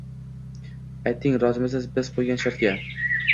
Ayting, rozimisiz biz qo’ygan shartga?!